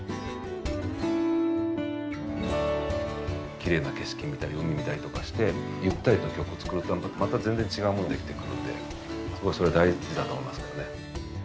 奇麗な景色見たり海見たりとかしてゆったりと曲を作るとまた全然違うものできてくるんですごいそれは大事だと思いますけどね。